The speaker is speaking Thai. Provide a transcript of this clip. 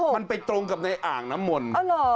มันไปตรงกับในอ่างน้ำมนต์